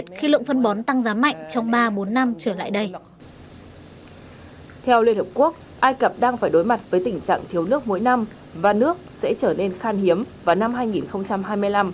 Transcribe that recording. theo liên hợp quốc ai cập đang phải đối mặt với tình trạng thiếu nước mỗi năm và nước sẽ trở nên khan hiếm vào năm hai nghìn hai mươi năm